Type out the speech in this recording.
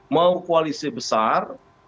mau koalisi besar